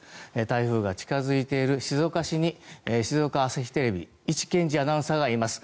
台風が近付いている静岡市に静岡朝日テレビ伊地健治アナウンサーがいます。